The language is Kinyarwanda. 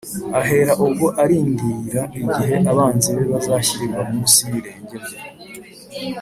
ahera ubwo arindira igihe abanzi be bazashyirirwa munsi y'ibirenge bye.